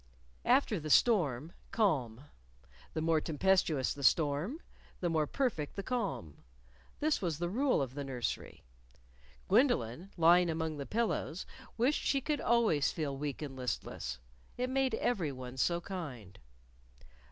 After the storm, calm. The more tempestuous the storm, the more perfect the calm. This was the rule of the nursery. Gwendolyn, lying among the pillows, wished she could always feel weak and listless. It made everyone so kind.